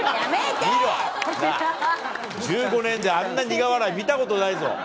１５年であんな苦笑い見たことないぞ。